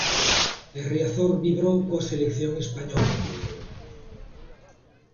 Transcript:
E Riazor vibrou coa selección española, Terio.